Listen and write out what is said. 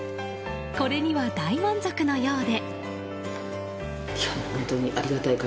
これには大満足なようで。